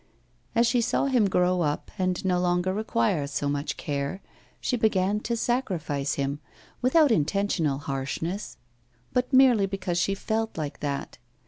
As she saw him grow up, and no longer require so much care, she began to sacrifice him, without intentional harshness, but merely because she felt like that.